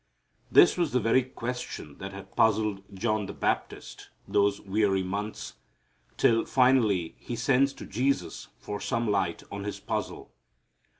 This was the very question that had puzzled John the Baptist those weary months, till finally he sends to Jesus for some light on his puzzle.